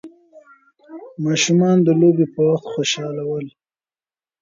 ماشومان د لوبې په وخت خوشحاله ول.